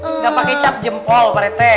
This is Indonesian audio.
enggak pakai cap jempol pak rete